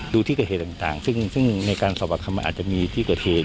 ดูที่เกิดเหตุต่างซึ่งในการสอบประคำมันอาจจะมีที่เกิดเหตุ